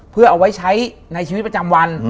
เพื่อเอาไว้ใช้ในชีวิตประจำวัน